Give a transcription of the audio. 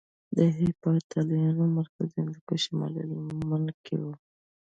د هېپتاليانو مرکز د هندوکش شمالي لمنو کې کې وو